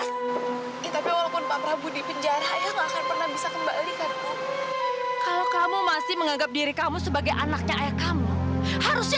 sampai jumpa di video selanjutnya